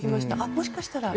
もしかしたら。